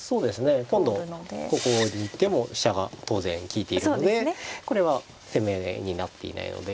今度ここに行っても飛車が当然利いているのでこれは攻め合いになっていないので。